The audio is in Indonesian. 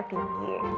muteinnya taser ya